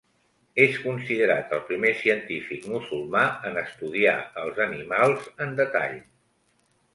És considerat el primer científic musulmà en estudiar els animals en detall.